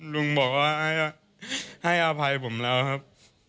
ลุงบอกว่าให้อภัยผมแล้วครับ